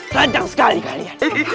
ranjang sekali kalian